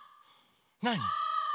なに？